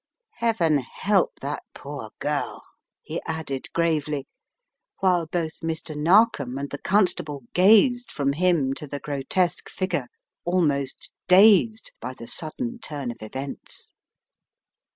Heaven help that poor girl!" he added gravely, while both Mr. Narkom and the constable gazed from him to the grotesque figure, almost dazed By the sudden turn of events.